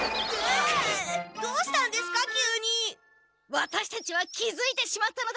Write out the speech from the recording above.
ワタシたちは気づいてしまったのだ。